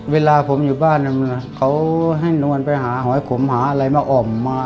เวลาผมอยู่บ้านเขาให้นวลไปหาหอยขมหาอะไรมาอ่อมมา